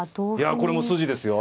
いやこれも筋ですよ。